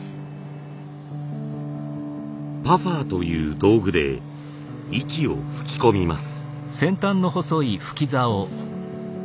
パファーという道具で息を吹き込みます。